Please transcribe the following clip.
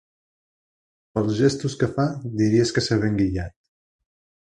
Pels gestos que fa, diries que s'ha ben guillat.